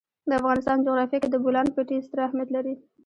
د افغانستان جغرافیه کې د بولان پټي ستر اهمیت لري.